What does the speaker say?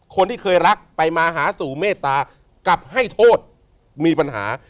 คนที่เคยรักไปมาหาสู่เมตตากลับให้โทษมีปัญหา